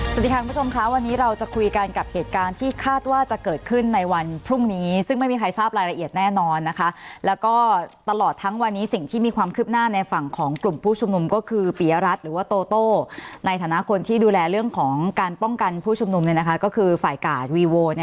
สวัสดีค่ะคุณผู้ชมค่ะวันนี้เราจะคุยกันกับเหตุการณ์ที่คาดว่าจะเกิดขึ้นในวันพรุ่งนี้ซึ่งไม่มีใครทราบรายละเอียดแน่นอนนะคะแล้วก็ตลอดทั้งวันนี้สิ่งที่มีความคืบหน้าในฝั่งของกลุ่มผู้ชุมนุมก็คือปียรัฐหรือว่าโตโต้ในฐานะคนที่ดูแลเรื่องของการป้องกันผู้ชุมนุมก็คือฝ่ายกาดวีโว